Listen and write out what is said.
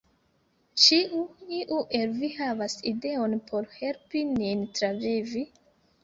"Ĉiu iu el vi havas ideon por helpi nin travivi?"